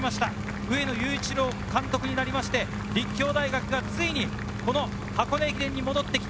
上野裕一郎監督になって立教大学がついに箱根駅伝に戻ってきた。